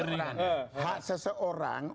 ini hak seseorang